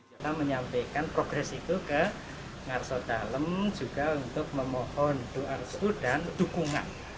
kita menyampaikan progres itu ke ngarso dalem juga untuk memohon doa restu dan dukungan